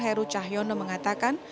heru cahyono mengatakan